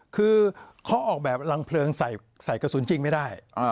คือเขาออกแบบรังเพลิงใส่กระสุนจริงไม่ได้